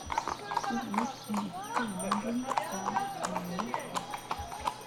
The lake and its surrounding park are well-kept.